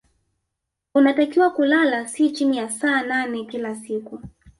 Unatakiwa kulala si chini ya saa nane kila siku